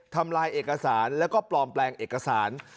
ทำลายเอกสารแล้วก็ปลอมแปลงเอกสาร